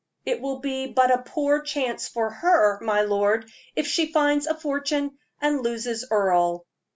It will be but a poor chance for her, my lord, if she finds a fortune and loses Earle."